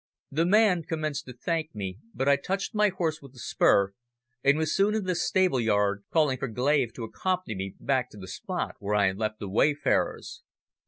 The man commenced to thank me, but I touched my horse with the spur, and was soon in the stableyard calling for Glave to accompany me back to the spot where I had left the wayfarers.